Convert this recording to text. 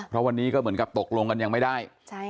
เพราะวันนี้ก็เหมือนกับตกลงกันยังไม่ได้